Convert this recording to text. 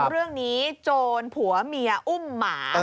เรื่องนี้โจรผัวเมียอุ้มหมา